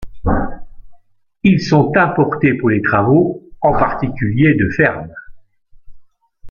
Ils sont importés pour les travaux, en particulier de ferme.